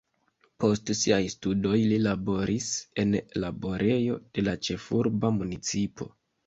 Post siaj studoj li laboris en laborejo de la ĉefurba municipo.